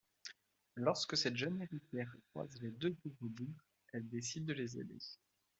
Lorsque cette jeune héritière croise les deux pauvres bougres, elle décide de les aider.